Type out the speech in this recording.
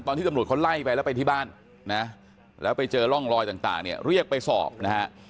ตอนที่ตำรวจเขาไล่ไปแล้วไปที่บ้านนะแล้วไปเจอร่องรอยต่างเนี่ยเรียกไปสอบนะฮะ